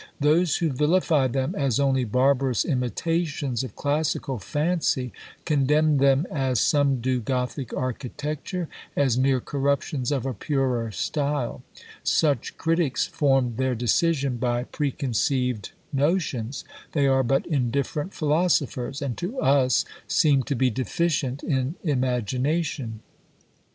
Those who vilify them as only barbarous imitations of classical fancy condemn them as some do Gothic architecture, as mere corruptions of a purer style: such critics form their decision by preconceived notions; they are but indifferent philosophers, and to us seem to be deficient in imagination.